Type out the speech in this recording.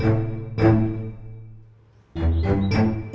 sebelum pr duty